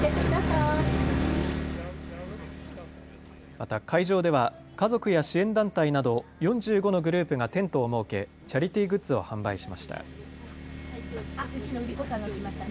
また会場では家族や支援団体など４５のグループがテントを設けチャリティーグッズを販売しました。